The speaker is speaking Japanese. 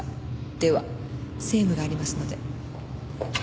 では政務がありますので。